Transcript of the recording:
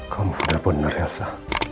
kamu benar benar elsa